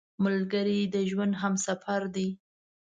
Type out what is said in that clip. ملګری د ژوند همسفر دی